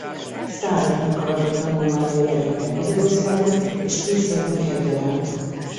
Százat meghaladó tanulmánya jelent meg Magyarországon és külföldön egyaránt.